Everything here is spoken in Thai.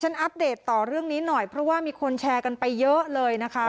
อัปเดตต่อเรื่องนี้หน่อยเพราะว่ามีคนแชร์กันไปเยอะเลยนะคะ